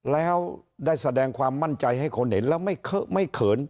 แล้วได้แสดงความมั่นใจให้คนเห็นแล้วไม่เขิน